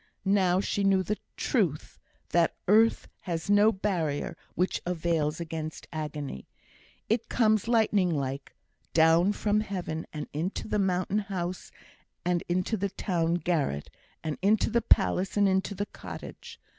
Now she knew the truth, that earth has no barrier which avails against agony. It comes lightning like down from heaven, into the mountain house and the town garret; into the palace and into the cottage.